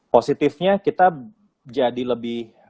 positifnya kita jadi lebih